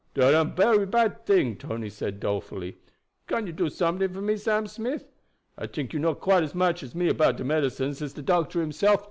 "Dat am bery bad ting," Tony said dolefully. "Can't you do something for me, Sam Smith? I tink you know quite as much about de medicines as de doctor himself."